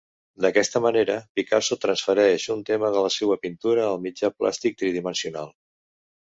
D'aquesta manera, Picasso transfereix un tema de la seua pintura al mitjà plàstic tridimensional.